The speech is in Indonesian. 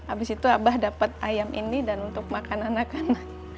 abis itu abah dapat ayam ini dan untuk makanan makanan